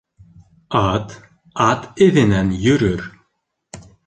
Ат ат әҙенән йөрөр.